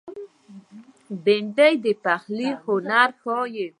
بېنډۍ د پخلي هنر ښيي